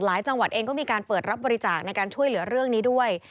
จังหวัดเองก็มีการเปิดรับบริจาคในการช่วยเหลือเรื่องนี้ด้วย